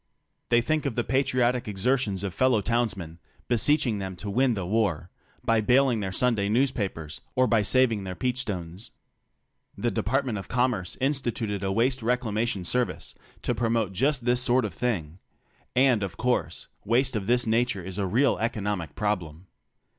They think of the patriotic exertions of fellow townsmen beseeching them to win the war by baling their Sunday newspapers, or by saving their peachstones. The Department of Commerce instituted a waste reclamation service to promote just this sort of thing. And, of course, waste of this nature is a real economic problem.